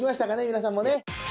皆さんもね